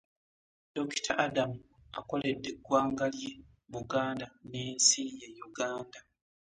Dokita Adam akoledde eggwanga lye Buganda n’ensi ye Uganda.